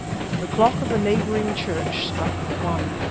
The clock of the neighboring church struck one.